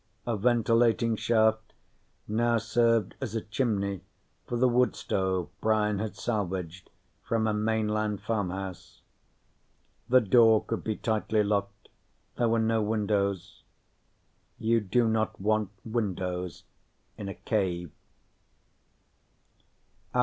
A ventilating shaft now served as a chimney for the wood stove Brian had salvaged from a mainland farmhouse. The door could be tightly locked; there were no windows. You do not want windows in a cave.